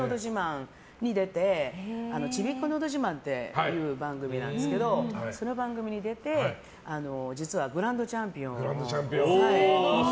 それで「ちびっこのどじまん」っていう番組なんですけどその番組に出て実はグランドチャンピオンに。